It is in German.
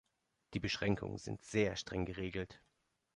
Die Beschränkungen sind sehr streng geregelt.